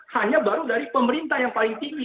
hanya baru dari pemerintah yang paling tinggi